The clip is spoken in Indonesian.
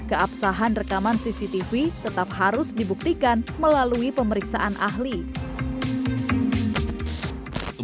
keabsahan rekaman cctv tetap harus dibuktikan melalui pemeriksaan ahli